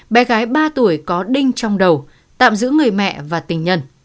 bé gái ba tuổi có đinh trong đầu tạm giữ người mẹ và tình nhân